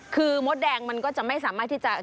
คือมดแดงมันก็จะไม่สามารถที่จะ